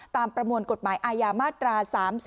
ประมวลกฎหมายอาญามาตรา๓๓